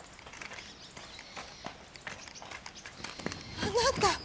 あなた！